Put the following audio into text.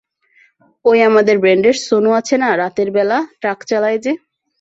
ঐ আমাদের ব্যান্ডের সনু আছে না, রাতের বেলা ট্রাক চালায় যে।